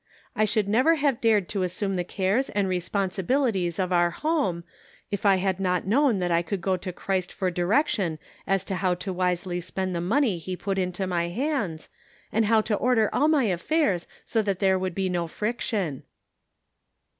I should never have dared to assume the cares and responsibilities of our home if I had not known that I could go to Christ for direction as to how to wisely spend the money he put into my hands, and how to order all my affairs so that there would be no friction."